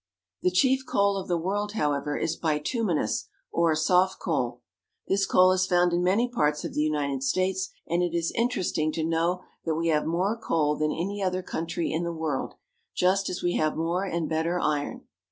The chief coal of the world, however, is bituminous or soft coal. This coal is found in many parts of the United States ; and it is interesting to know that we have more coal than any other country in the world, just as we have more and better iron.